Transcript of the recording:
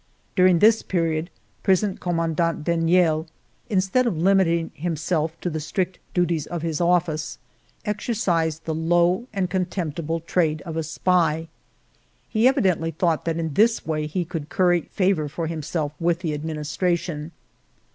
During this period Prison Commandant Deniel, instead of limiting himself to the strict duties of his office, exercised the low and contemptible trade of a spy ; he evidently thought that in this way he would curry favor for him self with the Administration.